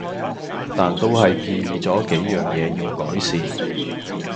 但都係建議左幾樣野要改善